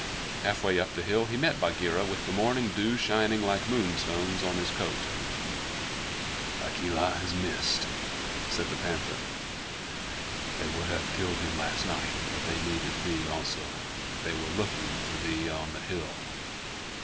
Halfway up the hill he met Bagheera with the morning dew shining like moonstones on his coat. "Akela has missed," said the Panther. "They would have killed him last night, but they needed thee also. They were looking for thee on the hill."